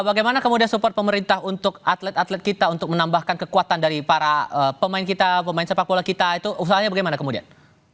bagaimana kemudian support pemerintah untuk atlet atlet kita untuk menambahkan kekuatan dari para pemain kita pemain sepak bola kita itu usahanya bagaimana kemudian